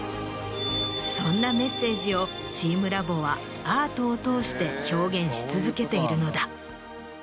そんなメッセージをチームラボはアートを通して表現し続けているのだ。